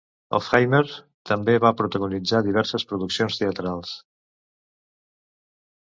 Hofheimer també ha protagonitzat diverses produccions teatrals.